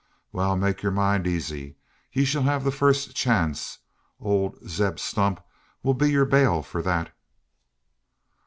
Wal, make yur mind eezy; ye shell hev the fast chance. Ole Zeb Stump 'll be yur bail for thet."